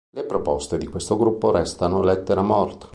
Le proposte di questo gruppo restano lettera morta.